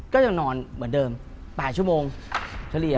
ก็ยังนอนเหมือนเดิม๘ชั่วโมงเฉลี่ย